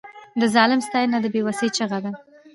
د ظالم ستاینه د بې وسۍ چیغه ده.